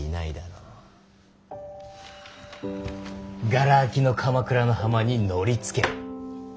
がら空きの鎌倉の浜に乗りつける。